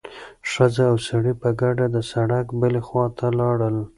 ښځه او سړی په ګډه د سړک بلې خوا ته لاړل.